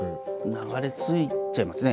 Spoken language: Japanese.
流れ着いちゃいますね